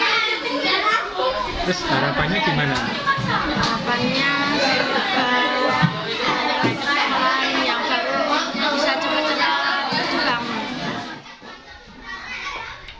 harapannya supaya kelas lain yang baru bisa cepat terbang